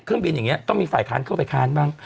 เครื่องบินอย่างนี้ต้องมีฝ่ายค้านเข้าไปค้านบ้าง